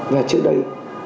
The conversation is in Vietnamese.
và trước đấy